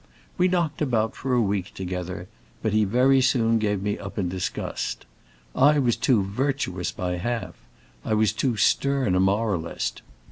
We knocked about for a week together, but he very soon gave me up in disgust. I was too virtuous by half; I was too stern a moralist.